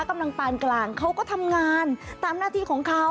ปานกลางเขาก็ทำงานตามหน้าที่ของเขา